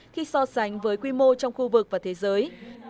khi so sánh với quy mô trong khu vực và thế giới